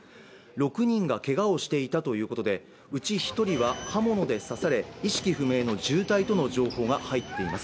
６人がけがをしていたということで、うち１人は刃物で刺され意識不明の重体との情報が入っています。